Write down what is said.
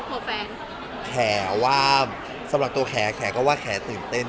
แฟนหรือครอบครัวแฟนเเฮว่าสำหรับตัวแบบแขก็ว่าแขตื่นเต้น